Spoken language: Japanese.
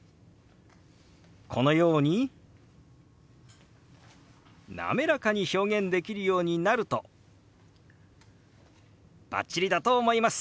このように滑らかに表現できるようになるとバッチリだと思います。